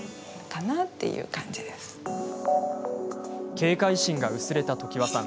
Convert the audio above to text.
警戒心が薄れた常和さん。